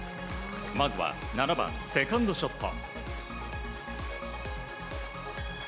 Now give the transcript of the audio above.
まずは７番セカンドショット。